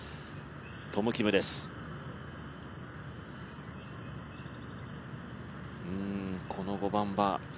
トム・キムです、この５番は。